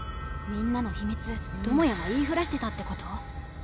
みんなの秘密智也が言いふらしてたってこと？